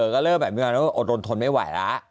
ก็เริ่มไม่หมดหนนทนไม่ไหวละ